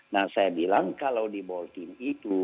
nah saya bilang kalau di bolting itu